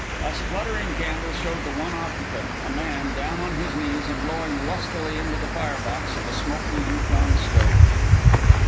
A spluttering candle showed the one occupant, a man, down on his knees and blowing lustily into the fire box of a smoky Yukon stove.